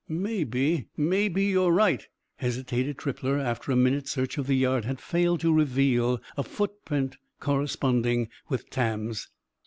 "Maybe maybe you're right," hesitated Trippler, after a minute search of the yard had failed to reveal a footprint corresponding with Tam's.